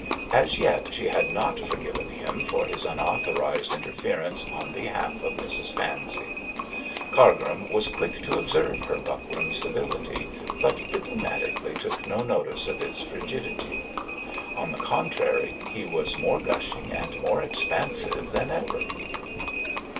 As yet she had not forgiven him for his unauthorised interference on behalf of Mrs Pansey. Cargrim was quick to observe her buckram civility, but diplomatically took no notice of its frigidity. On the contrary, he was more gushing and more expansive than ever.